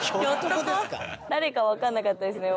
誰か分かんなかったですね